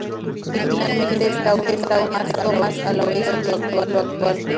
Originalmente estaba ubicado más al oeste del pueblo actual.